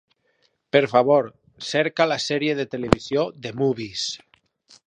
Per favor, cerca la sèrie de televisió "The Movies".